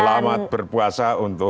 selamat berpuasa untuk